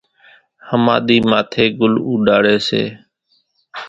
ۿماۮِي ماٿيَ ڳُل اُوڏاڙي سي